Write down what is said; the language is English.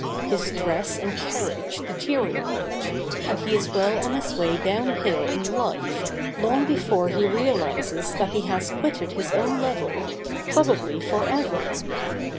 His dress and carriage deteriorate, and he is well on his way downhill in life long before he realises that he has quitted his own level, probably for ever.